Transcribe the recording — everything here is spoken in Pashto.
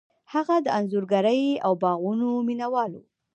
هغه د انځورګرۍ او باغونو مینه وال و.